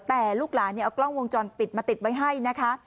แต่ลูกหลานเอากล้องวงจรปิดมาติดไว้ให้นะคะ